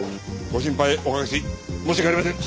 ご心配おかけし申し訳ありません！